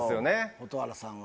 蛍原さんは。